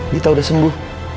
dita udah sembuh